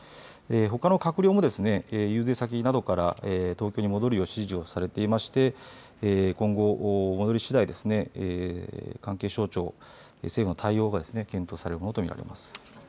ほかの閣僚も遊説先などから東京に戻るよう指示をされていまして今後、戻りしだい、関係省庁、政府の対応が検討されるものと見られます。